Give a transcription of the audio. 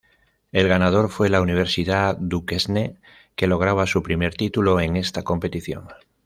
El ganador fue la Universidad Duquesne, que lograba su primer título en esta competición.